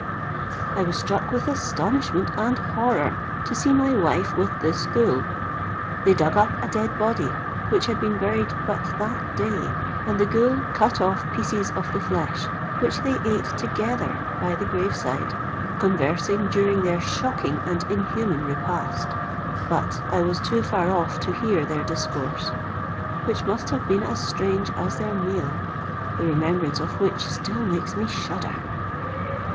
I was struck with astonishment and horror to see my wife with this ghoul. They dug up a dead body which had been buried but that day, and the ghoul cut off pieces of the flesh, which they ate together by the grave side, conversing during their shocking and inhuman repast. But I was too far off to hear their discourse, which must have been as strange as their meal, the remembrance of which still makes me shudder.